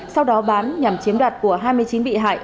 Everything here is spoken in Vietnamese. sau đó bán nhằm chiếm đoạt của hai mươi chín bị hại